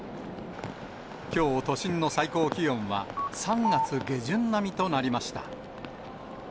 きょう、都心の最高気温は３月下旬並みとなりました。